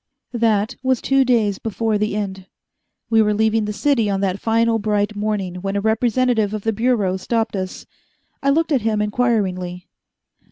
That was two days before the end. We were leaving the city on that final bright morning, when a representative of the Bureau stopped us. I looked at him inquiringly.